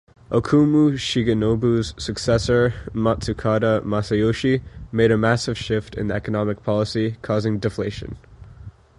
Okuma Shigenobu's successor, Matsukata Masayoshi, made a massive shift in economic policy, causing deflation.